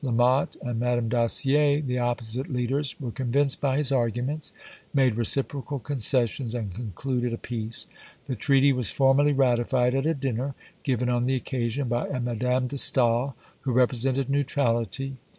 La Motte and Madame Dacier, the opposite leaders, were convinced by his arguments, made reciprocal concessions, and concluded a peace. The treaty was formally ratified at a dinner, given on the occasion by a Madame De Staël, who represented "Neutrality."